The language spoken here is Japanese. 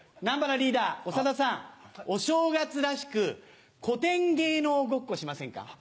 南原リーダー長田さんお正月らしく古典芸能ごっこしませんか？